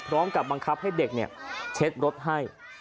พร้อมกับบังคับให้เด็กเช็ดรถให้